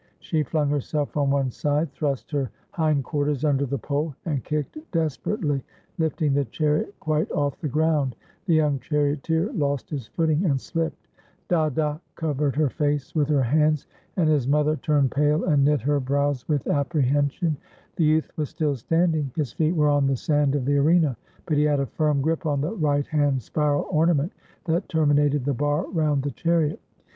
She flung herself on one side, thrust her hind quarters under the pole, and kicked desperately, lifting the chariot quite off the groimd; the young charioteer lost his footing and slipped. Dada covered her face with her hands, and his mother turned pale and knit her S02 i THE WINNING OF THE FIRST MISSUS browswith apprehension. The youth was still standing; his feet were on the sand of the arena; but he had a firm grip on the right hand spiral ornament that terminated the bar round the chariot.